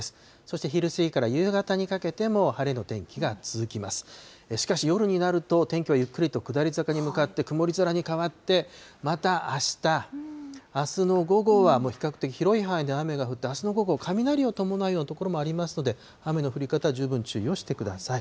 しかし、夜になると、天気はゆっくりと下り坂に向かって、曇り空に変わって、またあした、あすの午後は、もう比較的広い範囲で雨が降って、あすの午後、雷を伴うような所もありますので、雨の降り方、十分注意をしてください。